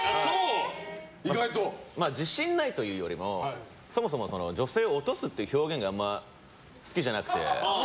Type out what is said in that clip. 自信ないというよりもそもそも女性をオトすっていう表現があんまり好きじゃなくて。